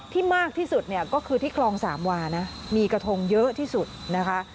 มากที่สุดเนี่ยก็คือที่คลองสามวานะมีกระทงเยอะที่สุดนะคะ